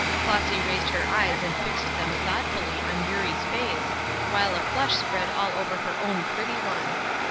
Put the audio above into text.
Flossy raised her eyes and fixed them thoughtfully on Eurie's face, while a flush spread all over her own pretty one.